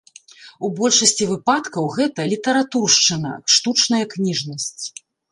У большасці выпадкаў гэта літаратуршчына, штучная кніжнасць.